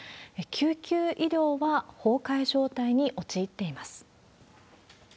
救急医療が崩壊状態に陥っています。